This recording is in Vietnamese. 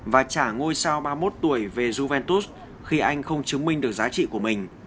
và trả ngôi sao ba mươi một tuổi về juventus khi anh không chứng minh được giá trị của mình